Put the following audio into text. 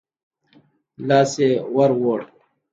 لاس يې ورووړ.